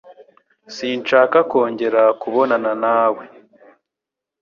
Sinshaka kongera kubonana nawe.